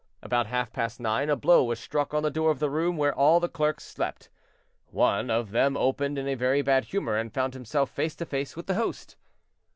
About half past nine a blow was struck on the door of the room where the clerks all slept. One of them opened in a very bad humor, and found himself face to face with the host.